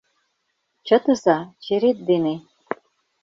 — Чытыза, черет дене...